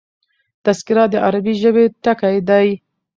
تذکره د عربي ژبي ټکی دﺉ.